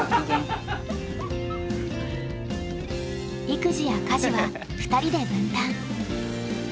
育児や家事は２人で分担。